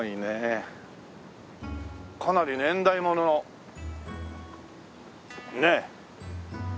かなり年代物のねえ。